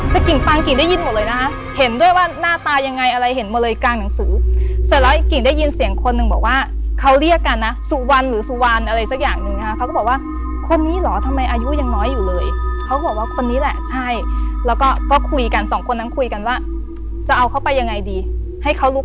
แต่กิ่งฟังกิ่งได้ยินหมดเลยนะคะเห็นด้วยว่าหน้าตายังไงอะไรเห็นหมดเลยกลางหนังสือเสร็จแล้วกิ่งได้ยินเสียงคนหนึ่งบอกว่าเขาเรียกกันนะสุวรรณหรือสุวรรณอะไรสักอย่างหนึ่งนะคะเขาก็บอกว่าคนนี้เหรอทำไมอายุยังน้อยอยู่เลยเขาบอกว่าคนนี้แหละใช่แล้วก็ก็คุยกันสองคนนั้นคุยกันว่าจะเอาเขาไปยังไงดีให้เขาลุก